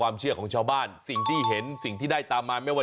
แม่ได้แล้ว